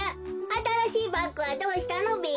あたらしいバッグはどうしたのべ？